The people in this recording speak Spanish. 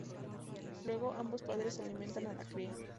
Luego, ambos padres alimentan a la cría.